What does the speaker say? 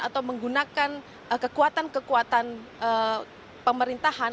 atau menggunakan kekuatan kekuatan pemerintahan